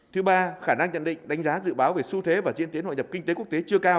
thứ ba khả năng nhận định đánh giá dự báo về xu thế và diễn tiến hội nhập kinh tế quốc tế chưa cao